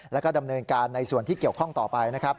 แล้วก็ดำเนินการในส่วนที่เกี่ยวข้องต่อไปนะครับ